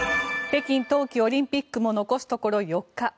北京冬季オリンピックも残すところ４日。